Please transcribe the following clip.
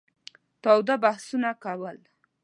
تاوده بحثونه کول.